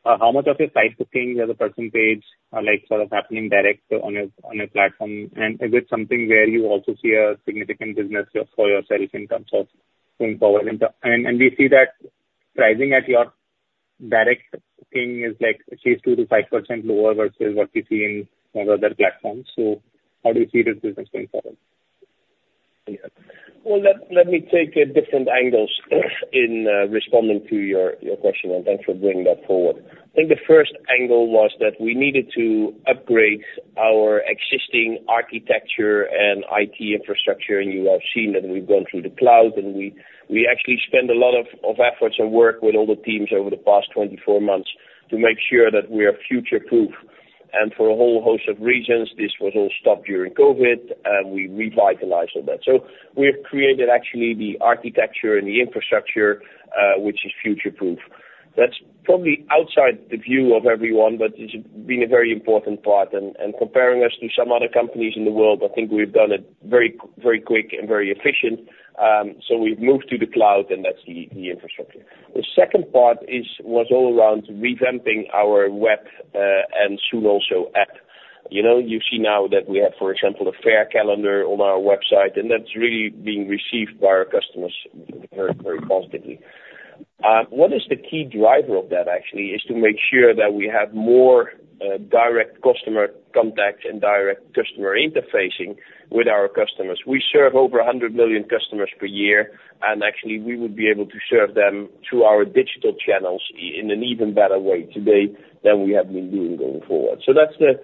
S9: how much of your site bookings as a percentage are like sort of happening direct on a platform? And is it something where you also see a significant business just for yourself in terms of going forward? And we see that pricing at your direct booking is like 3%-5% lower than what we see in some other platforms. So how do you see this business going forward?
S3: Let me take a different angle in responding to your question, and thanks for bringing that forward. I think the first angle was that we needed to upgrade our existing architecture and IT infrastructure, and you have seen that we've gone through the cloud, and we actually spent a lot of efforts and work with all the teams over the past 24 months to make sure that we are future-proof. For a whole host of reasons, this was all stopped during COVID, and we revitalized all that. We've created actually the architecture and the infrastructure which is future-proof. That's probably outside the view of everyone, but it's been a very important part, and comparing us to some other companies in the world, I think we've done it very quick and very efficient. So we've moved to the cloud, and that's the infrastructure. The second part is all around revamping our web and soon also app. You know, you see now that we have, for example, a fare calendar on our website, and that's really being received by our customers very, very positively. What is the key driver of that actually is to make sure that we have more direct customer contact and direct customer interfacing with our customers. We serve over 100 million customers per year, and actually we would be able to serve them through our digital channels in an even better way today than we have been doing going forward. So that's the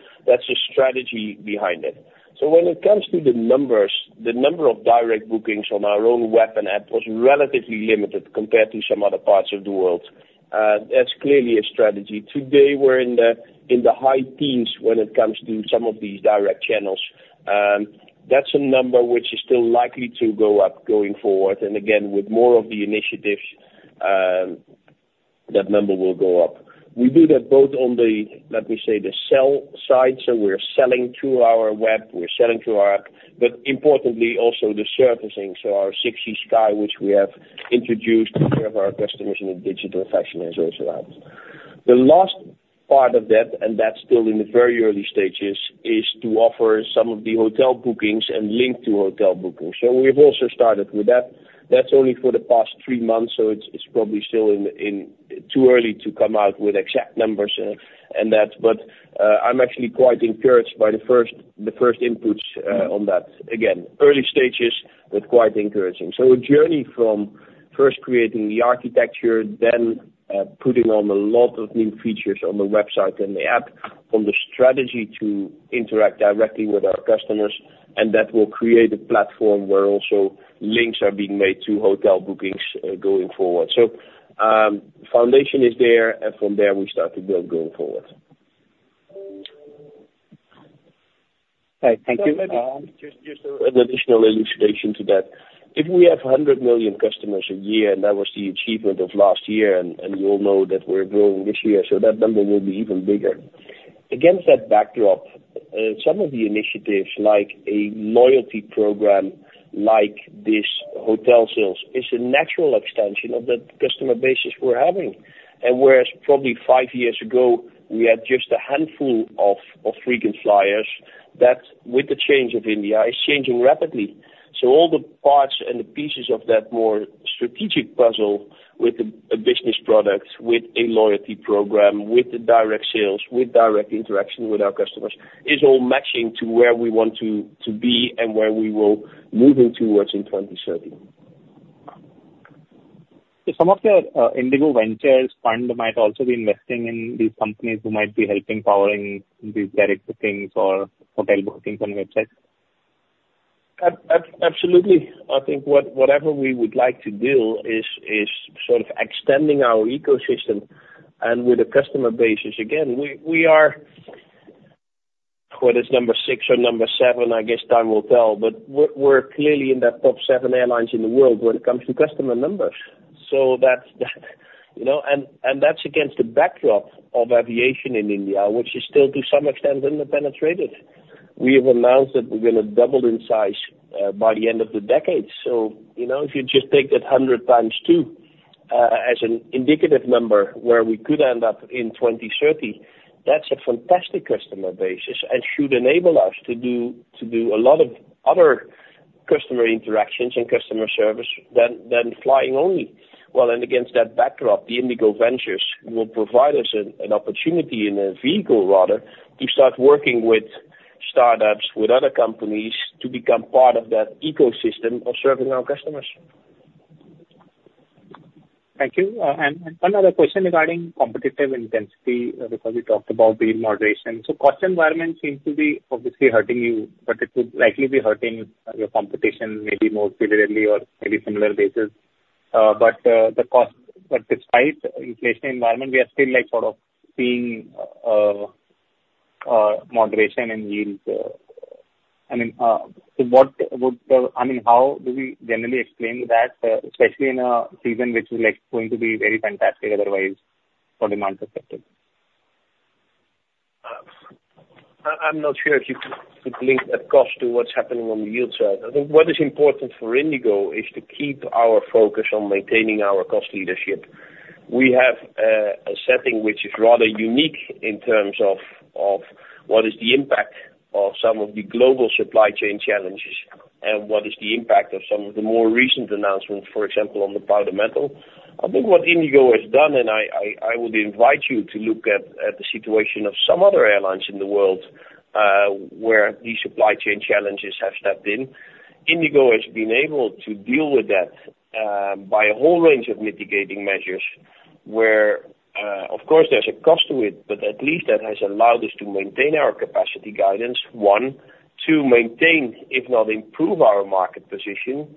S3: strategy behind it. So when it comes to the numbers, the number of direct bookings on our own web and app was relatively limited compared to some other parts of the world. That's clearly a strategy. Today, we're in the high teens when it comes to some of these direct channels. That's a number which is still likely to go up, going forward, and again, with more of the initiatives, that number will go up. We do that both on the, let me say, the sell side, so we're selling through our web, we're selling through our app, but importantly also the servicing, so our 6Eskai, which we have introduced to serve our customers in a digital fashion, has also helped. The last part of that, and that's still in the very early stages, is to offer some of the hotel bookings and link to hotel bookings. So we've also started with that. That's only for the past three months, so it's probably still in. Too early to come out with exact numbers and that, but I'm actually quite encouraged by the first inputs on that. Again, early stages, but quite encouraging. So a journey from first creating the architecture, then putting on a lot of new features on the website and the app, on the strategy to interact directly with our customers, and that will create a platform where also links are being made to hotel bookings going forward. So foundation is there, and from there we start to build going forward.
S9: Okay, thank you.
S3: Just, just an additional elucidation to that. If we have 100 million customers a year, and that was the achievement of last year, and we all know that we're growing this year, so that number will be even bigger. Against that backdrop, some of the initiatives, like a loyalty program, like this hotel sales, is a natural extension of the customer base we're having. And whereas probably five years ago, we had just a handful of frequent flyers, that, with the change of India, is changing rapidly. So all the parts and pieces of that more strategic puzzle with a business product, with a loyalty program, with the direct sales, with direct interaction with our customers, is all matching to where we want to be and where we will moving towards in 2030.
S9: Some of the IndiGo Ventures fund might also be investing in these companies who might be helping powering these direct bookings or hotel bookings on websites?
S3: Absolutely. I think whatever we would like to do is sort of extending our ecosystem and with the customer bases. Again, we are, whether it's number six or number seven, I guess time will tell, but we're clearly in that top seven airlines in the world when it comes to customer numbers. So that's, you know, and that's against the backdrop of aviation in India, which is still to some extent under-penetrated. We have announced that we're gonna double in size by the end of the decade. So, you know, if you just take that hundred times two as an indicative number, where we could end up in 2030, that's a fantastic customer basis and should enable us to do a lot of other customer interactions and customer service than flying only. Well, and against that backdrop, the IndiGo Ventures will provide us an opportunity and a vehicle rather, to start working with startups, with other companies, to become part of that ecosystem of serving our customers.
S9: Thank you. And one other question regarding competitive intensity, because you talked about the moderation. So cost environment seems to be obviously hurting you, but it would likely be hurting your competition, maybe more similarly or maybe similar basis. But despite inflation environment, we are still, like, sort of seeing moderation in yields. I mean, so what would the... I mean, how do we generally explain that, especially in a season which is, like, going to be very fantastic otherwise from demand perspective?
S3: I'm not sure if you can link that cost to what's happening on the yield side. I think what is important for IndiGo is to keep our focus on maintaining our cost leadership. We have a setting which is rather unique in terms of what is the impact of some of the global supply chain challenges, and what is the impact of some of the more recent announcements, for example, on the powder metal. I think what IndiGo has done, and I would invite you to look at the situation of some other airlines in the world, where these supply chain challenges have stepped in. IndiGo has been able to deal with that by a whole range of mitigating measures, where of course there's a cost to it, but at least that has allowed us to maintain our capacity guidance, one. Two, maintain, if not improve, our market position.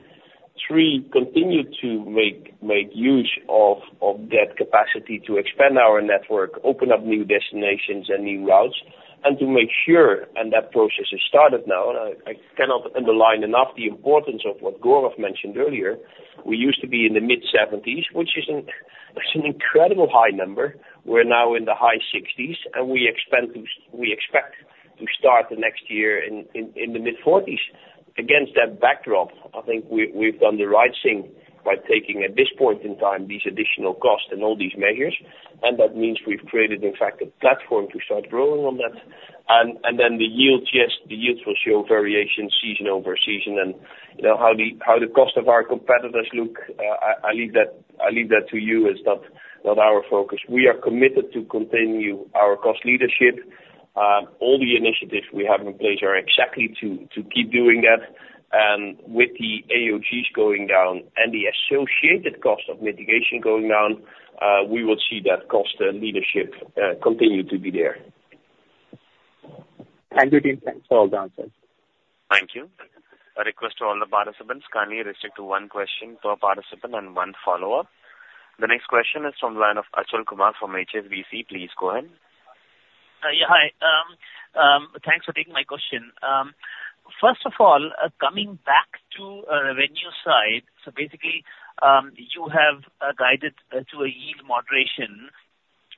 S3: Three, continue to make use of that capacity to expand our network, open up new destinations and new routes, and that process has started now, and I cannot underline enough the importance of what Gaurav mentioned earlier. We used to be in the mid-seventies, which is an incredible high number. We're now in the high 60s, and we expect to start the next year in the mid-40s. Against that backdrop, I think we, we've done the right thing by taking, at this point in time, these additional costs and all these measures, and that means we've created, in fact, a platform to start growing on that. And then the yields, yes, the yields will show variation season over season. And, you know, how the cost of our competitors look, I leave that to you. It's not our focus. We are committed to continue our cost leadership. All the initiatives we have in place are exactly to keep doing that. And with the AOGs going down and the associated cost of mitigation going down, we will see that cost leadership continue to be there.
S1: Thank you, team. Thanks for all the answers. Thank you. A request to all the participants, kindly restrict to one question per participant and one follow-up. The next question is from the line of Achal Kumar from HSBC. Please go ahead.
S10: Yeah, hi. Thanks for taking my question. First of all, coming back to revenue side, so basically, you have guided to a yield moderation.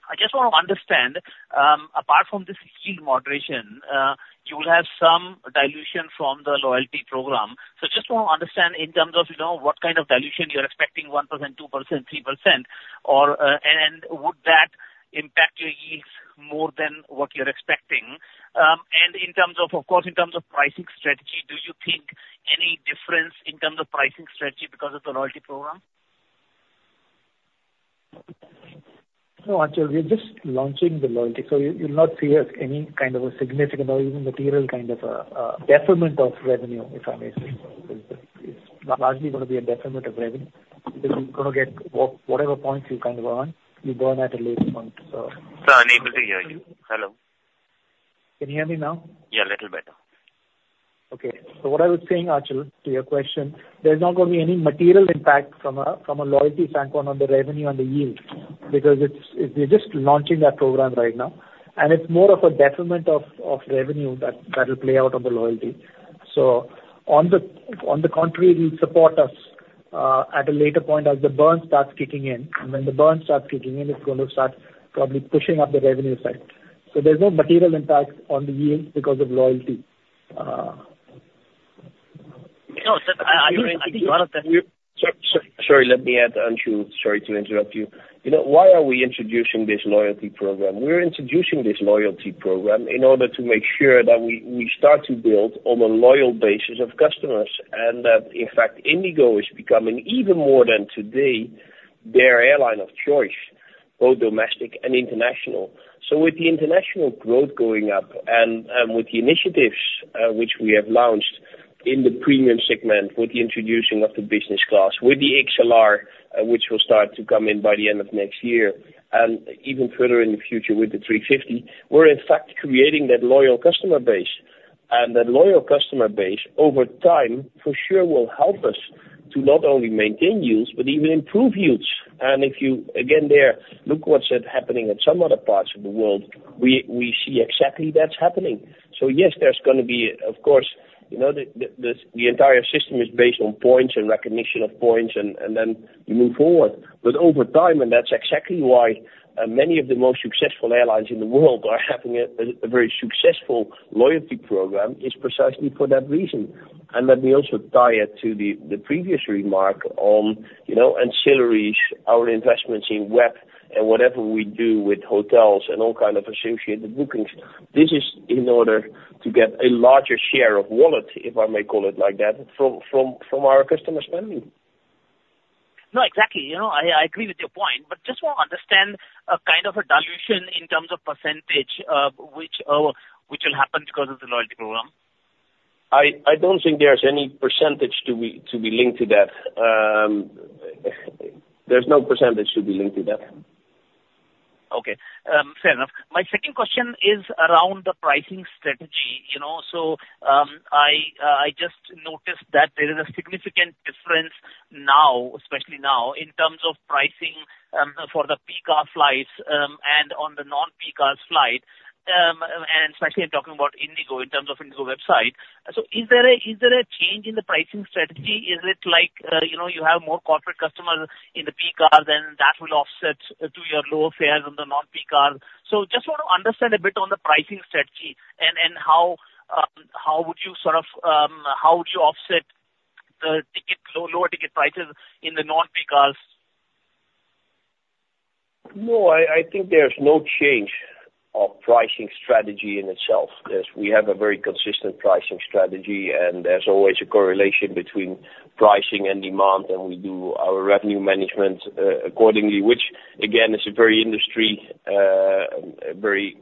S10: I just want to understand, apart from this yield moderation, you will have some dilution from the loyalty program. So just want to understand in terms of, you know, what kind of dilution you're expecting, 1%, 2%, 3%, or... And would that impact your yields more than what you're expecting? And in terms of, of course, in terms of pricing strategy, do you think any difference in terms of pricing strategy because of the loyalty program?
S4: No, Achal, we're just launching the loyalty, so you, you'll not see as any kind of a significant or even material kind of, deferment of revenue, if I may say. It's largely gonna be a deferment of revenue, because you're gonna get whatever points you kind of earn, you burn at a later point, so.
S10: Sir, unable to hear you. Hello?
S4: Can you hear me now?
S10: Yeah, a little better.
S4: Okay. So what I was saying, Achal, to your question, there's not gonna be any material impact from a loyalty standpoint on the revenue and the yield, because it's, we're just launching that program right now, and it's more of a deferment of revenue that will play out on the loyalty. So on the contrary, it will support us at a later point as the burn starts kicking in. And when the burn starts kicking in, it's going to start probably pushing up the revenue side. So there's no material impact on the yield because of loyalty.
S10: No, sir, I think one of the-
S3: Sorry, let me add, Achal, sorry to interrupt you. You know, why are we introducing this loyalty program? We're introducing this loyalty program in order to make sure that we start to build on a loyal basis of customers, and that, in fact, IndiGo is becoming even more than today, their airline of choice, both domestic and international. So with the international growth going up and with the initiatives which we have launched in the premium segment, with the introducing of the business class, with the XLR which will start to come in by the end of next year, and even further in the future with the 350, we're in fact creating that loyal customer base. And that loyal customer base, over time, for sure will help us to not only maintain yields, but even improve yields. And if you again there look what's happening in some other parts of the world, we see exactly that's happening. So yes, there's gonna be, of course, you know, the entire system is based on points and recognition of points, and then you move forward. But over time, and that's exactly why many of the most successful airlines in the world are having a very successful loyalty program, is precisely for that reason. And let me also tie it to the previous remark on, you know, ancillaries, our investments in web and whatever we do with hotels and all kind of associated bookings. This is in order to get a larger share of wallet, if I may call it like that, from our customer spending.
S10: No, exactly. You know, I agree with your point, but just want to understand kind of a dilution in terms of percentage, which will happen because of the loyalty program.
S3: I don't think there's any percentage to be linked to that. There's no percentage to be linked to that.
S10: Okay, fair enough. My second question is around the pricing strategy. You know, so, I just noticed that there is a significant difference now, especially now, in terms of pricing, for the peak hour flights, and on the non-peak hours flight, and especially I'm talking about IndiGo, in terms of IndiGo website. So is there a change in the pricing strategy? Is it like, you know, you have more corporate customers in the peak hours, and that will offset to your lower fares on the non-peak hours? So just want to understand a bit on the pricing strategy and how would you sort of, how would you offset the lower ticket prices in the non-peak hours?
S3: No, I think there's no change of pricing strategy in itself. There's... We have a very consistent pricing strategy, and there's always a correlation between pricing and demand, and we do our revenue management accordingly, which, again, is a very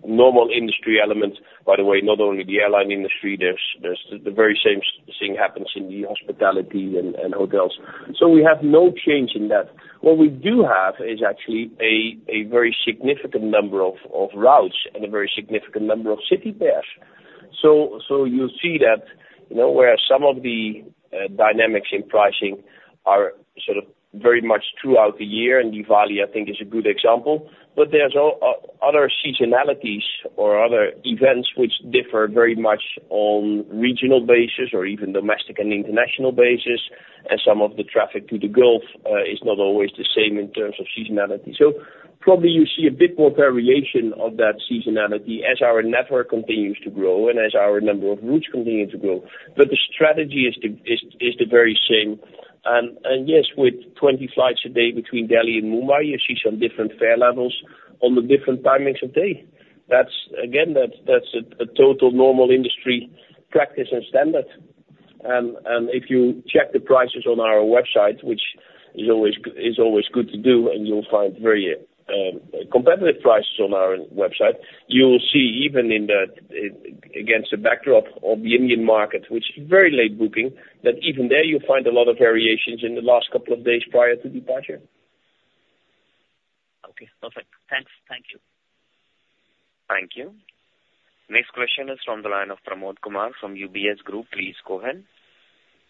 S3: normal industry element, by the way, not only the airline industry. There's the very same thing happens in the hospitality and hotels. So we have no change in that. What we do have is actually a very significant number of routes and a very significant number of city pairs. So you'll see that, you know, where some of the dynamics in pricing are sort of very much throughout the year, and Diwali, I think, is a good example. But there's also other seasonalities or other events which differ very much on regional basis or even domestic and international basis, and some of the traffic to the Gulf is not always the same in terms of seasonality. So probably you see a bit more variation of that seasonality as our network continues to grow and as our number of routes continue to grow. But the strategy is the very same. And yes, with 20 flights a day between Delhi and Mumbai, you see some different fare levels on the different timings of day. That's, again, that's a total normal industry practice and standard. And if you check the prices on our website, which is always good to do, and you'll find very competitive prices on our website. You will see even in the against the backdrop of the Indian market, which is very late booking, that even there you'll find a lot of variations in the last couple of days prior to departure.
S10: Okay, perfect. Thanks. Thank you.
S1: Thank you. Next question is from the line of Pramod Kumar from UBS Group. Please go ahead.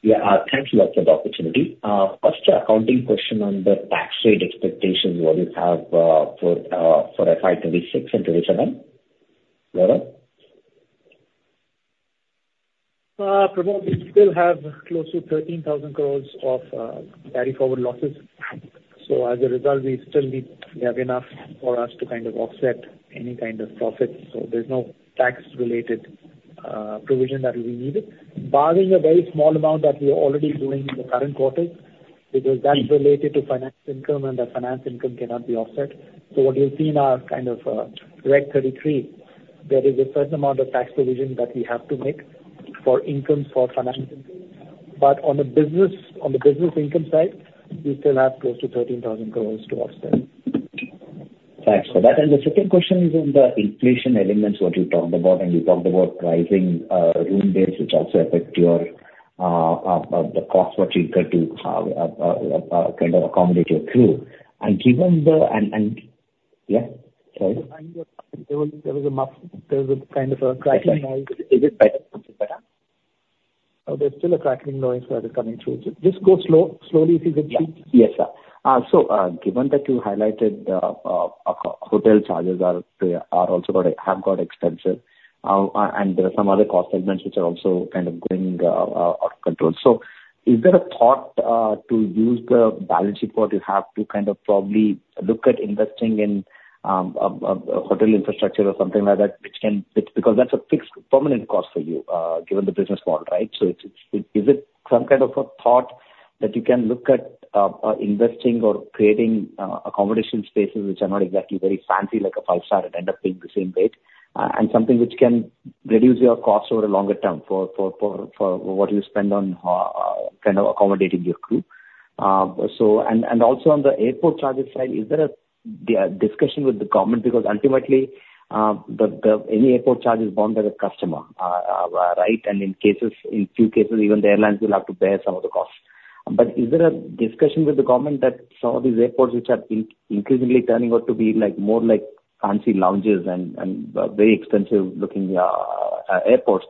S11: Yeah, thank you a lot for the opportunity. First, accounting question on the tax rate expectations, what you have for FY 2026 and 2027? Over.
S4: Pramod, we still have close to 13,000 crores of carry forward losses. So as a result, we still need to have enough for us to kind of offset any kind of profits. So there's no tax-related provision that will be needed, barring a very small amount that we are already doing in the current quarter, because that's related to finance income, and the finance income cannot be offset. So what you'll see in our kind of Reg 33, there is a certain amount of tax provision that we have to make for income for finance. But on the business, on the business income side, we still have close to 13,000 crores to offset.
S11: Thanks for that. And the second question is on the inflation elements, what you talked about, and you talked about pricing, room rates, which also affect your, the cost what you incur to, kind of accommodate your crew. And given the, and yeah, sorry.
S4: There was a kind of a crackling noise.
S11: Is it better? Better.
S4: Oh, there's still a crackling noise that is coming through. Just go slow, slowly, if you could please.
S11: Yes, sir, so given that you highlighted the hotel charges are also quite have got expensive and there are some other cost segments which are also kind of going out of control, so is there a thought to use the balance sheet, what you have to kind of probably look at investing in hotel infrastructure or something like that, which can... Because that's a fixed permanent cost for you given the business model, right? So, is it some kind of a thought that you can look at investing or creating accommodation spaces which are not exactly very fancy, like a five-star and end up paying the same rate, and something which can reduce your costs over a longer term for what you spend on kind of accommodating your crew? So and also on the airport charges side, is there a discussion with the government? Because ultimately, any airport charge is borne by the customer, right, and in cases, in few cases, even the airlines will have to bear some of the costs. But is there a discussion with the government that some of these airports which are increasingly turning out to be like, more like fancy lounges and very expensive-looking airports,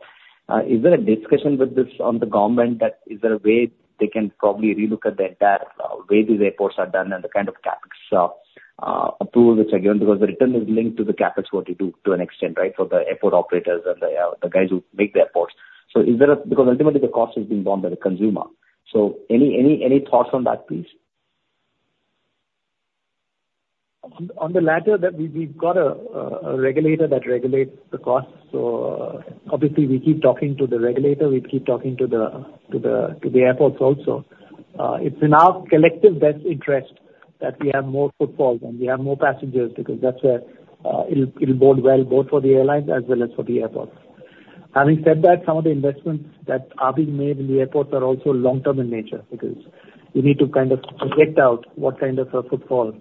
S11: is there a discussion with this on the government that is there a way they can probably relook at the entire way these airports are done and the kind of CapEx approved, which are given? Because the return is linked to the CapEx, what you do to an extent, right, for the airport operators and the guys who make the airports. So is there a... Because ultimately the cost is being borne by the consumer. So any thoughts on that, please?
S4: On the latter, we've got a regulator that regulates the costs. So obviously we keep talking to the regulator, we keep talking to the airports also. It's in our collective best interest that we have more footfall and we have more passengers, because that's where it'll bode well both for the airlines as well as for the airports. Having said that, some of the investments that are being made in the airports are also long-term in nature, because you need to kind of project out what kind of a footfall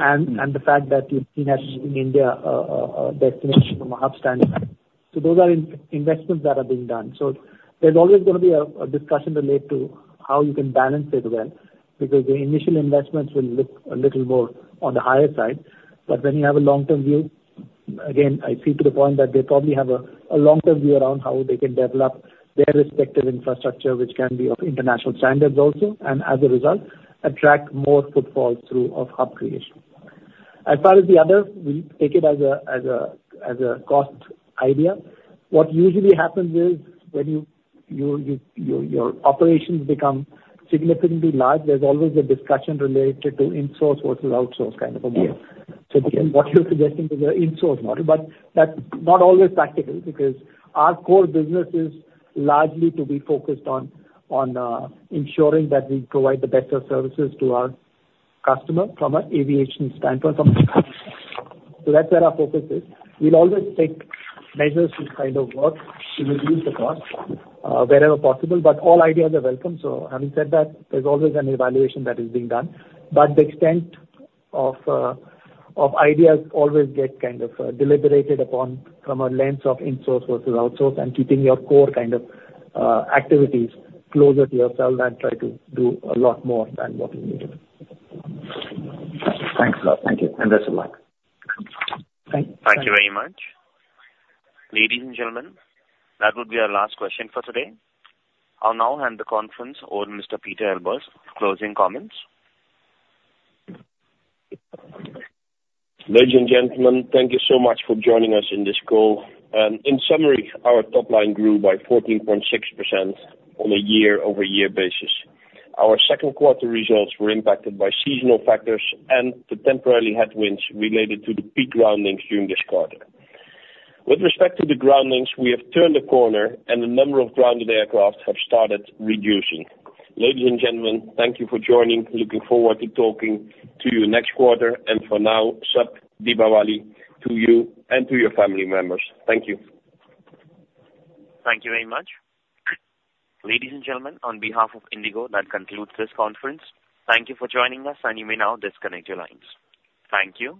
S4: and the fact that you've seen as in India a destination from a hub standpoint. So those are investments that are being done. So there's always gonna be a discussion related to how you can balance it well, because the initial investments will look a little more on the higher side. But when you have a long-term view, again, I see to the point that they probably have a long-term view around how they can develop their respective infrastructure, which can be of international standards also, and as a result, attract more footfall through of hub creation. As far as the other, we take it as a cost idea. What usually happens is, when your operations become significantly large, there's always a discussion related to insource versus outsource kind of a model.
S11: Yeah.
S4: So what you're suggesting is an insource model, but that's not always practical, because our core business is largely to be focused on ensuring that we provide the best of services to our customer from an aviation standpoint. So that's where our focus is. We'll always take measures which kind of work to reduce the cost wherever possible, but all ideas are welcome. So having said that, there's always an evaluation that is being done, but the extent of ideas always get kind of deliberated upon from a lens of insource versus outsource and keeping your core kind of activities closer to yourself than try to do a lot more than what you need.
S11: Thanks a lot. Thank you, and best of luck.
S4: Thank you.
S1: Thank you very much. Ladies and gentlemen, that would be our last question for today. I'll now hand the conference over to Mr. Pieter Elbers for closing comments.
S3: Ladies and gentlemen, thank you so much for joining us in this call. In summary, our top line grew by 14.6% on a year-over-year basis. Our second quarter results were impacted by seasonal factors and the temporary headwinds related to the peak groundings during this quarter. With respect to the groundings, we have turned a corner, and the number of grounded aircraft have started reducing. Ladies and gentlemen, thank you for joining. Looking forward to talking to you next quarter, and for now, Shubh Deepawali to you and to your family members. Thank you.
S1: Thank you very much. Ladies and gentlemen, on behalf of IndiGo, that concludes this conference. Thank you for joining us, and you may now disconnect your lines. Thank you.